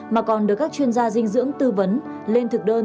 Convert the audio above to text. mà còn được các chuyên gia dinh dưỡng tư vấn lên thực đơn